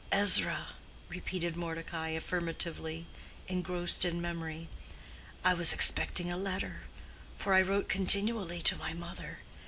"Ezra," repeated Mordecai, affirmatively, engrossed in memory. "I was expecting a letter; for I wrote continually to my mother.